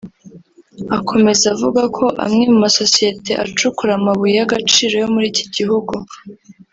Akomeza vuga ko amwe mu masosiyete acukura amabuye y’agaciro yo muri iki gihugu